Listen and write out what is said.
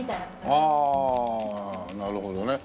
ああなるほどね。